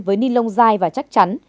với ni lông dài và chắc chắn